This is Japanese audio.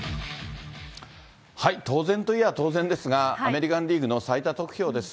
当然といえば当然ですが、アメリカンリーグの最多得票です。